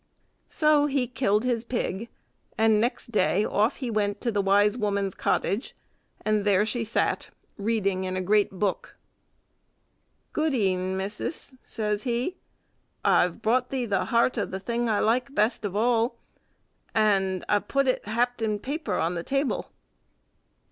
So he killed his pig, and next day off he went to the wise woman's cottage, and there she sat, reading in a great book. "Gode'en, missis," says he, "I've brought thee the heart o' the thing I like the best of all; and I put it hapt in paper on the table."